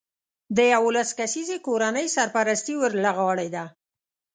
د یولس کسیزې کورنۍ سرپرستي ور له غاړې ده